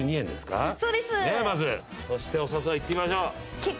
そしてお札いってみましょう。